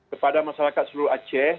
kepada masyarakat seluruh aceh